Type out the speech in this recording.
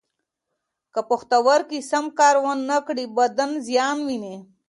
که پښتورګي سم کار و نه کړي، بدن زیان ویني.